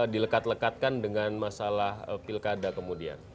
dilekat lekatkan dengan masalah pilkada kemudian